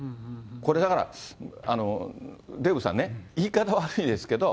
これだから、デーブさんね、言い方悪いですけど、